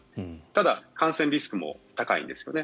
ただ、感染リスクも高いんです。